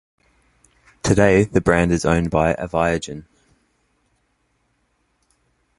Today the brand is owned by Aviagen.